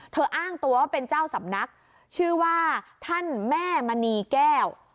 อ้างตัวว่าเป็นเจ้าสำนักชื่อว่าท่านแม่มณีแก้ว